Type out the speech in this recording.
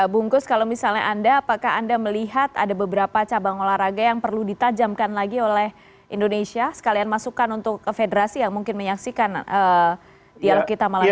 bungkus kalau misalnya anda apakah anda melihat ada beberapa cabang olahraga yang perlu ditajamkan lagi oleh indonesia sekalian masukan untuk federasi yang mungkin menyaksikan dialog kita malam ini